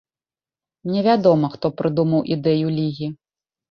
Невядома, хто прыдумаў ідэю лігі.